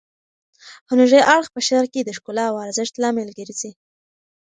هنري اړخ په شعر کې د ښکلا او ارزښت لامل ګرځي.